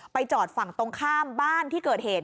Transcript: จอดฝั่งตรงข้ามบ้านที่เกิดเหตุ